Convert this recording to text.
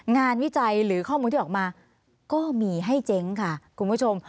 วิจัยหรือข้อมูลที่ออกมาก็มีให้เจ๊งค่ะคุณผู้ชม